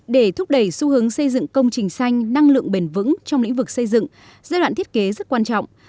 để thúc đẩy xu hướng xây dựng công trình xanh năng lượng bền vững trong lĩnh vực xây dựng giai đoạn thiết kế rất quan trọng